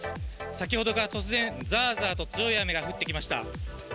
先ほどから突然、ザーザーと強い雨が降ってきました。